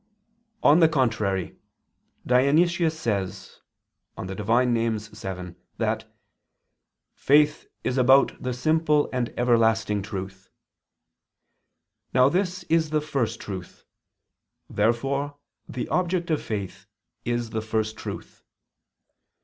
On the contrary, Dionysius says (Div. Nom. vii) that "faith is about the simple and everlasting truth." Now this is the First Truth. Therefore the object of faith is the First Truth.